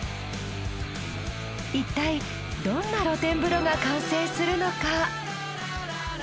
いったいどんな露天風呂が完成するのか？